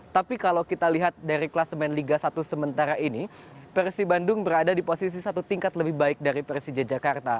tapi kalau kita lihat dari kelas main liga satu sementara ini persib bandung berada di posisi satu tingkat lebih baik dari persija jakarta